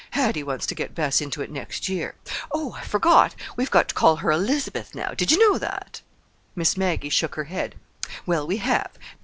Hattie wants to get Bess into it next year. Oh, I forgot; we've got to call her 'Elizabeth' now. Did you know that?" Miss Maggie shook her head. "Well, we have.